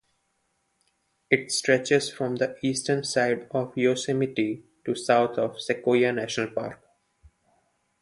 It stretches from the eastern side of Yosemite to south of Sequoia National Park.